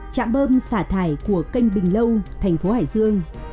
chạm bơm xả thải của kênh bình lâu thành phố hải dương